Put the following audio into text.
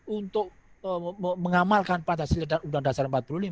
untuk mengamalkan pancasila dan undang dasar empat puluh lima